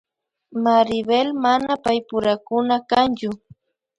Maribel mana paypurakuna kanchu